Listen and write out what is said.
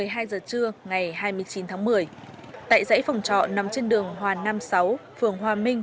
một mươi hai giờ trưa ngày hai mươi chín tháng một mươi tại dãy phòng trọ nằm trên đường hòa nam sáu phường hòa minh